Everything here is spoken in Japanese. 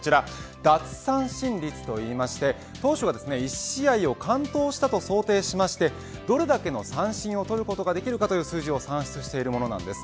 奪三振率と言いまして投手は１試合を完投したと想定してどれだけの三振をとることができるかという数字を算出しているものです。